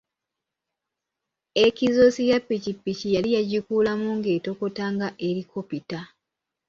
Ekizoosi ya ppiki yali yagikuulamu ng’etokota nga erikopita.